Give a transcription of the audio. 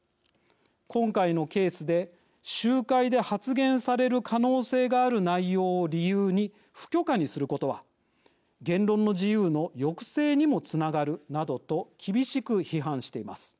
今回のケースで集会で発言される可能性がある内容を理由に不許可にすることは言論の自由の抑制にもつながるなどと厳しく批判しています。